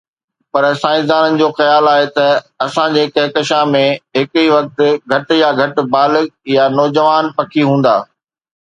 پر سائنسدانن جو خيال آهي ته اسان جي ڪهڪشان ۾ هڪ ئي وقت گهٽ يا گهٽ بالغ يا نوجوان پکي هوندا.